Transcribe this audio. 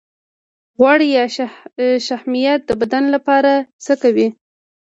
غوړ یا شحمیات د بدن لپاره څه کوي